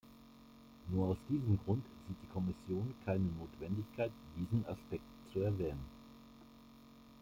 Nur aus diesem Grund sieht die Kommission keine Notwendigkeit, diesen Aspekt zu erwähnen.